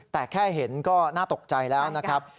แต่แค่เห็นก็น่าตกใจแล้วนะครับ